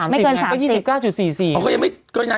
ไม่เกิน๓๒๙๔๔